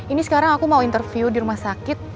ini sekarang aku mau interview di rumah sakit